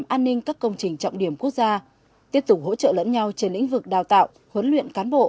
an ninh các công trình trọng điểm quốc gia tiếp tục hỗ trợ lẫn nhau trên lĩnh vực đào tạo huấn luyện cán bộ